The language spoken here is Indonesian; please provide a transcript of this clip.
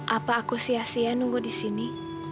apa aku sia sia nunggu di sini